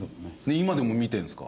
今でも見てるんですか？